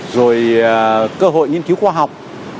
rồi cơ hội nghiên cứu khoa học